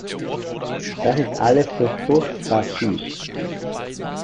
Das ist alles so furchtbar süß.